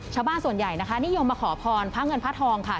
ชาวบ้านส่วนใหญ่นะคะนิยมมาขอพรพระเงินพระทองค่ะ